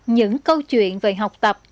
những câu chuyện về học tập